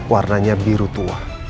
warnanya biru tua